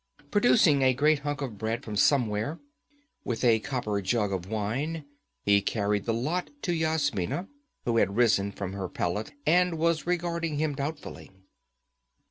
Producing a great hunk of bread from somewhere, with a copper jug of wine, he carried the lot to Yasmina, who had risen from her pallet and was regarding him doubtfully.